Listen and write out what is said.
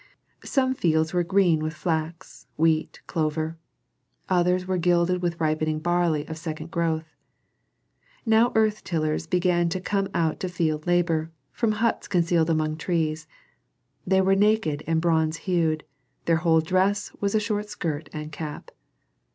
Some fields were green with flax, wheat, clover; others were gilded with ripening barley of the second growth. Now earth tillers began to come out to field labor, from huts concealed among trees; they were naked and bronze hued; their whole dress was a short skirt and a cap.